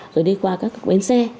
rồi đi qua các bến xe